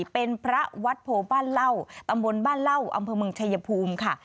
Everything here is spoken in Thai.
เป็นพระวัดโพบ้านเหล้าตำบลบ้านเล่าอำเภอเมืองชายภูมิค่ะ